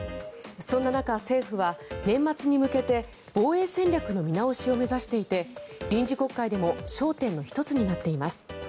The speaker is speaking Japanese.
そんな中、政府は年末に向けて防衛戦略の見直しを目指していて臨時国会でも焦点の一つになっています。